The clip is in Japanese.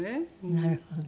なるほど。